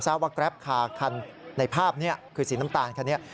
ทราบว่าแกรปคาคันในภาพนี้คือสีน้ำตาลคันนี้